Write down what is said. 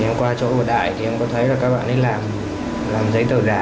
thì em qua chỗ của đại thì em có thấy là các bạn ấy làm giấy tờ giả